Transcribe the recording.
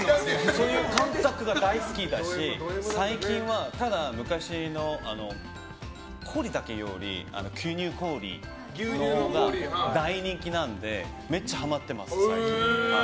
そういう感覚が大好きだし最近は、昔の氷だけより牛乳氷、大人気なのでめっちゃハマってます、最近。